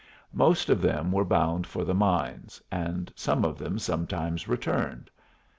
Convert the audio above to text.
Most of them were bound for the mines, and some of them sometimes returned.